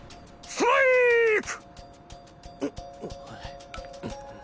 ストライーク！